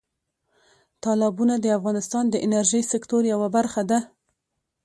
تالابونه د افغانستان د انرژۍ سکتور یوه برخه ده.